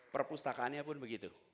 perpustakaannya pun begitu